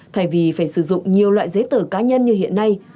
thay vì phải sử dụng nhiều loại giấy tờ cá nhân như hiện nay